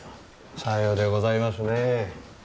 さようでございますね